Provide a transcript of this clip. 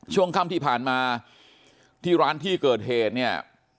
ช่วงค่ำที่ผ่านมาที่ร้านที่เกิดเหตุเนี่ย